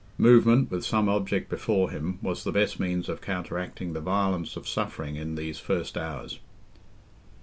Movement, with some object before him, was the best means of counteracting the violence of suffering in these first hours.